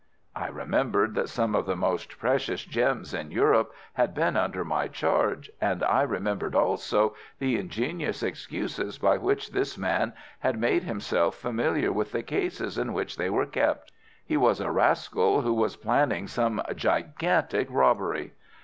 I remembered that some of the most precious gems in Europe had been under my charge, and I remembered also the ingenious excuses by which this man had made himself familiar with the cases in which they were kept. He was a rascal who was planning some gigantic robbery.